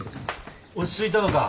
落ち着いたのか？